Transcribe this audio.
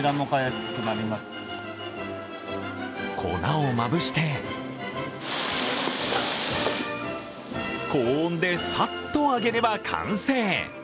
粉をまぶして、高温でサッと揚げれば完成。